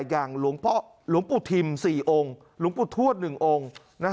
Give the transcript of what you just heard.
อย่างหลวงปุธิม๔องค์หลวงปุธัวต๑องค์